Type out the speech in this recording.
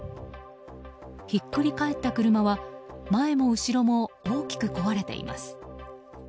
ひっくり返った車は前も後ろも大きく壊れています。